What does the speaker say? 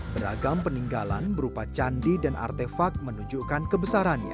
beragam peninggalan berupa candi dan artefak menunjukkan kebesarannya